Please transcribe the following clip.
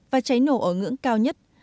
và cháy nổ ở ngưỡng cao nhất